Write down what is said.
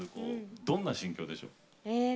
どんな心境でしょう？